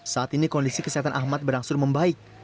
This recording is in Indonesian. saat ini kondisi kesehatan ahmad berangsur membaik